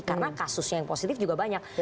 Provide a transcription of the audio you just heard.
karena kasusnya yang positif juga banyak